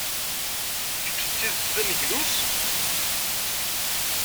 Kečč d tidet d aneglus!